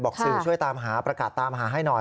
สื่อช่วยตามหาประกาศตามหาให้หน่อย